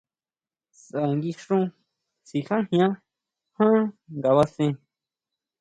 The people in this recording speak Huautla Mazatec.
Saʼa nguixún sikajian ján ngabasen.